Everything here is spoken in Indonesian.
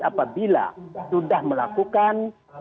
apabila sudah melakukan